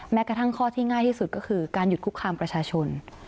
แม้กระทั่งข้อที่ง่ายที่สุดก็คือการหยุดคุกคามประชาชน